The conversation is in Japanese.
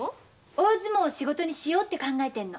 大相撲を仕事にしようって考えてんの。